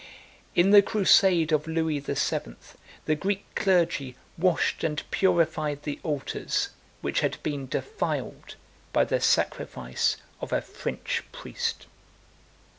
In the crusade of Louis the Seventh, the Greek clergy washed and purified the altars which had been defiled by the sacrifice of a French priest.